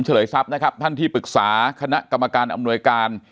เลทรัพย์นะครับท่านที่ปรึกษาคณะกรรมการอำนวยการ